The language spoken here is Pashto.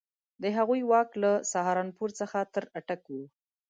د هغوی واک له سهارنپور څخه تر اټک وو.